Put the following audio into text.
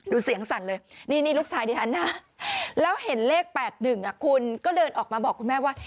ดูเสียงสั่นเลยนี่ลูกชายดิฉันนะแล้วเห็นเลข๘๑คุณก็เดินออกมาบอกคุณแม่ว่า